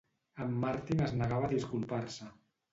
En Martin es negava a disculpar-se.